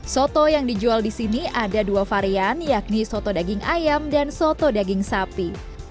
soto yang dijual di sini ada dua varian yakni soto daging ayam dan soto daging sapi